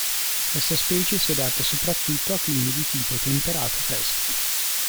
Questa specie si adatta soprattutto a climi di tipo temperato fresco.